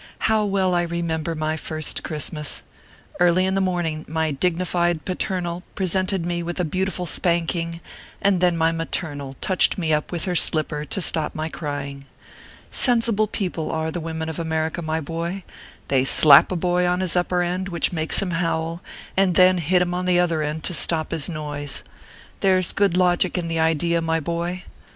How well I remember my first Christmas ! Early in the morning, my dignified paternal pre sented me with a beautiful spanking, and then my maternal touched me up with her slipper to stop my crying. Sensible people are the women of America, my boy ; they slap a boy on his upper end, which makes him howl, and then hit him on the other end to stop his noise. There s good logic in the idea, my boy.